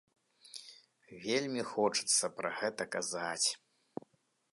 Вельмі хочацца пра гэта казаць.